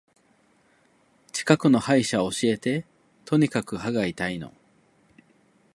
近くの歯医者教えて。とにかく歯が痛いの。